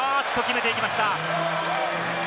決めていきました！